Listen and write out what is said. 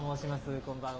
こんばんは。